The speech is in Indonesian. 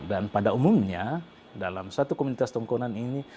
dan pada umumnya dalam suatu komunitas tongkonan ini